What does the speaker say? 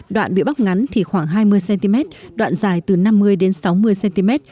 đoạn bị bóc ngắn thì khoảng hai mươi cm đoạn dài từ năm mươi đến sáu mươi cm